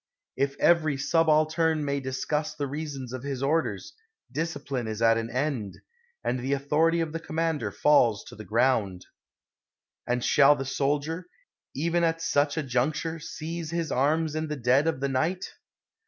If every subaltern may discuss the rea sons of his orders, discipline is at an end, and the authority of the commander falls to the ground. And shall the soldier, even at such a juncture, seize his arms in the dead of the night